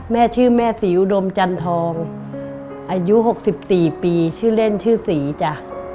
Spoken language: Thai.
แม่ชื่อแม่ศรีอุดมจันทองอายุ๖๔ปีชื่อเล่นชื่อศรีจ้ะ